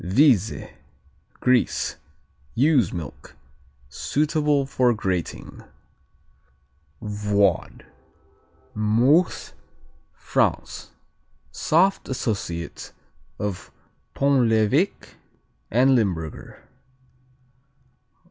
Vize Greece Ewe's milk; suitable for grating. Void Meuse, France Soft associate of Pont l'Evêque and Limburger.